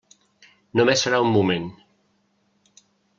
Només serà un moment.